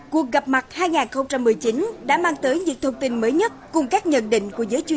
cuộc gặp mặt hai nghìn một mươi chín đã mang tới những thông tin mới nhất cùng các nhận định của giới chuyên